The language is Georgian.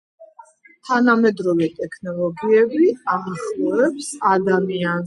თანამედროვე ტექნოლოგიები აახლოებს ადამიანებს